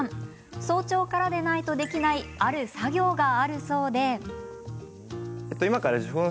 早朝からでないとできないある作業があるそうで。